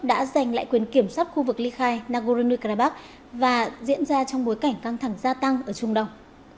đã giành lại quyền kiểm soát khu vực ly khai nagorno karabakh và diễn ra trong bối cảnh căng thẳng gia tăng ở trung đông